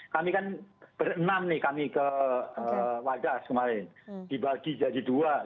kami kan berenam nih kami ke wadas kemarin dibagi jadi dua